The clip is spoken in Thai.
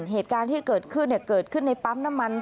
เหตุการณ์ที่เกิดขึ้นเกิดขึ้นในปั๊มน้ำมัน